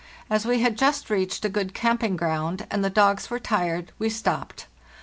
As we had just reached a good camping ground, and the dogs were tired, we stopped.